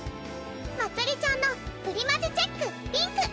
まつりちゃんのプリマジチェックピンク！